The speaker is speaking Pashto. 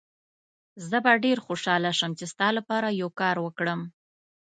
زه به ډېر خوشحاله شم چي ستا لپاره یو کار وکړم.